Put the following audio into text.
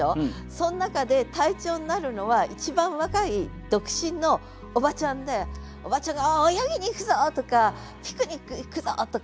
その中で隊長になるのは一番若い独身のおばちゃんでおばちゃんが「泳ぎに行くぞ！」とか「ピクニック行くぞ！」とか。